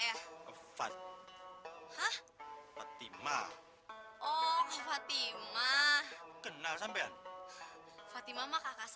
yang ngejalanin siapa ya kak